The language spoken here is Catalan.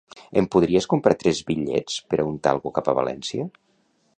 Em podries comprar tres bitllets per un Talgo cap a València?